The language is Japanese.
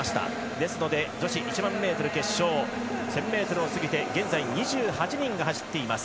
ですので女子１００００ｍ決勝１０００ｍを過ぎて現在２８人が走っています。